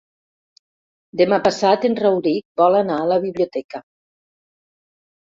Demà passat en Rauric vol anar a la biblioteca.